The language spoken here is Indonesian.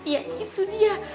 ya itu dia